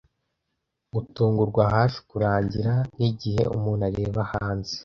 Gutungurwa hafi kurangira, nkigihe umuntu areba hanze,